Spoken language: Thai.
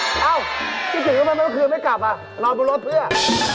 คิดถึงทำไมเมื่อคืนไม่กลับอ่ะนอนบนรถเพื่อ